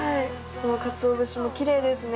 このかつお節もきれいですね。